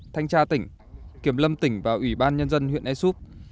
thanh tra tỉnh kiểm lâm tỉnh và ủy ban nhân dân huyện esup